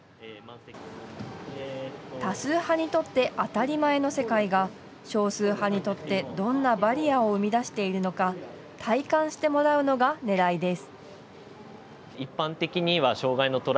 多数派にとって当たり前の世界が少数派にとってどんなバリアを生み出しているのか体感してもらうのがねらいです。